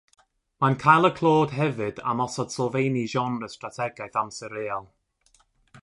Mae'n cael y clod hefyd am osod sylfeini'r genre strategaeth amser real.